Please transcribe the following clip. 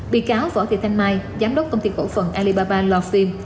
bị cáo võ thị thanh mai giám đốc công ty cổ phần alibaba love film